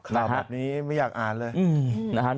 หลับแบบนี้ไม่อยากอ่านเลย